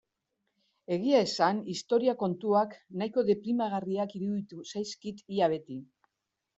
Egia esan historia kontuak nahiko deprimigarriak iruditu zaizkit ia beti.